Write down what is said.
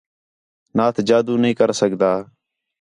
نات جادو نہیں کر سڳدا